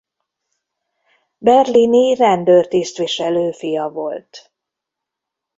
Berlini rendőr-tisztviselő fia volt.